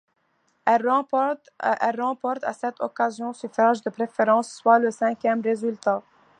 Elle remporte à cette occasion suffrages de préférence, soit le cinquième résultat.